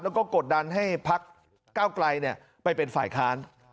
แล้วก็กดดันให้พักเก้าไกลไปเป็นฝ่ายค้าน